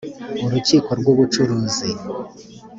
urukiko rw ubucuruzi